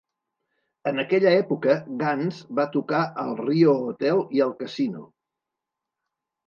En aquella època, Gans va tocar al Rio Hotel i al Casino.